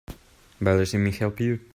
By letting me help you.